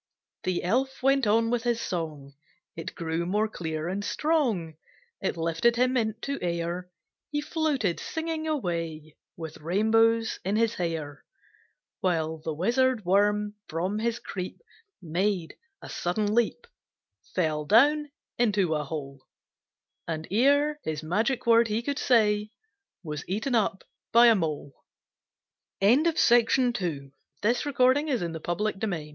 The Elf went on with his song, It grew more clear and strong, It lifted him into air, He floated singing away, With rainbows in his hair; While the Wizard worm from his creep Made a sudden leap, Fell down into a hole, And, ere his magic word he could say, Was eaten up by a Mole. THE FAIRY KING. _"High on the hill top The old King